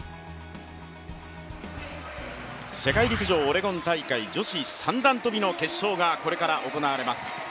世界陸上オレゴン大会、女子三段跳の決勝がこれから行われます。